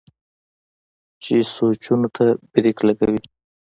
چې سوچونو ته برېک لګوي